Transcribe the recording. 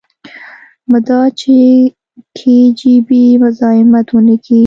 مدا چې کي جي بي مزايمت ونکي.